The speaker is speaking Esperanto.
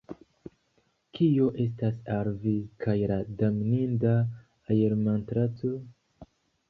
Kio estas al vi kaj la damninda aermatraco?